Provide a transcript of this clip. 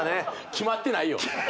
決まってないよ